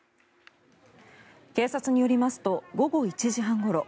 警察によりますと午後１時半ごろ